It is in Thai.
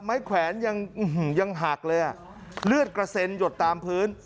แขวนยังหักเลยอ่ะเลือดกระเซ็นหยดตามพื้น